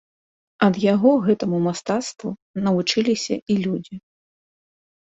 Ад яго гэтаму мастацтву навучыліся і людзі.